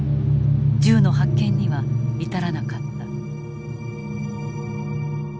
銃の発見には至らなかった。